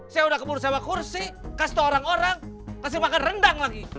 saya udah keburu sama kursi kasih orang orang kasih makan rendang lagi